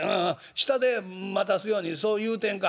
下で待たすようにそう言うてんか」。